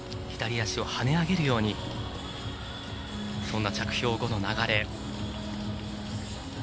左足を跳ね上げるような着氷後の流れ。